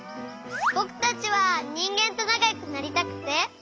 ぼくたちはにんげんとなかよくなりたくて。